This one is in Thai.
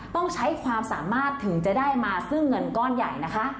ต้องใช้ความสามารถถึงจะได้มาซึ่งเงินก้อนใหญ่นะคะ